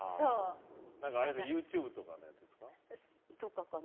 ＹｏｕＴｕｂｅとかのやつですか？とかかな。